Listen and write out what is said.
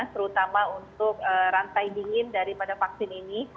terutama untuk rantai dingin daripada vaksin ini